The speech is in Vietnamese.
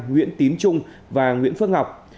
nguyễn tín trung và nguyễn phước ngọc